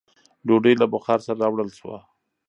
ډوډۍ له بخاره سره راوړل شوه.